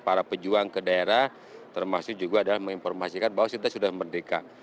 para pejuang ke daerah termasuk juga adalah menginformasikan bahwa kita sudah merdeka